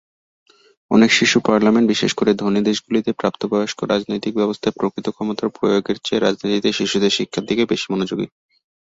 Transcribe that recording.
অনেক শিশু পার্লামেন্ট, বিশেষ করে ধনী দেশগুলিতে, প্রাপ্তবয়স্ক রাজনৈতিক ব্যবস্থায় প্রকৃত ক্ষমতার প্রয়োগের চেয়ে রাজনীতিতে শিশুদের শিক্ষার দিকে বেশি মনোযোগী।